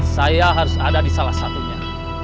saya harus ada di salah satunya